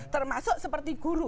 termasuk seperti guru